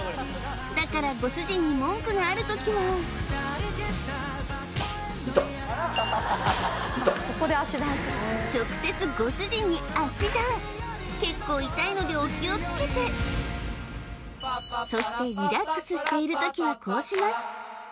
だからご主人に文句がある時は直接ご主人に足ダン結構痛いのでお気をつけてそしてリラックスしている時はこうします